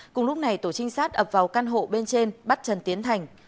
cùng lúc này tổ trinh sát ập vào căn hộ bên trên bắt trần tiến thành